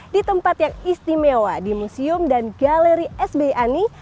di tempat yang istimewa di museum dan galeri sbi ani